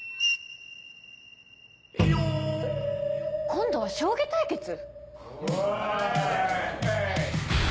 今度は将棋対決⁉おい。